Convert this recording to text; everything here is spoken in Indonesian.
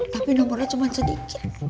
tapi nomornya cuma sedikit